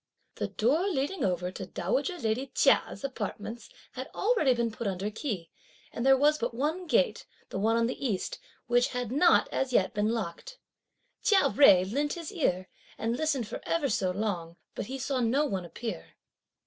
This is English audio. The door leading over to dowager lady Chia's apartments had already been put under key, and there was but one gate, the one on the East, which had not as yet been locked. Chia Jui lent his ear, and listened for ever so long, but he saw no one appear.